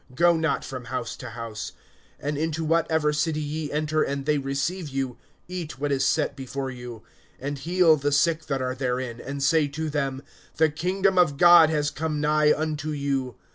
Go not from house to house. (8)And into whatever city ye enter and they receive you, eat what is set before you; (9)and heal the sick that are therein, and say to them: The kingdom of God has come nigh unto you.